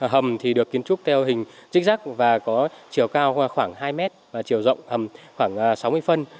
hầm thì được kiến trúc theo hình dích rác và có chiều cao khoảng hai mét và chiều rộng hầm khoảng sáu mươi phân